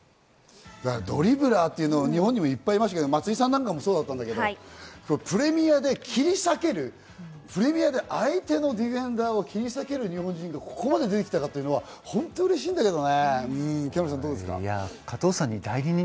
ドリブラーというのはいっぱいましたけど、松井さんもそうだったんだけど、プレミアで切り裂ける、相手のディフェンダーを切り裂ける日本人でここまで出てきたかって、本当嬉しいんだけどね。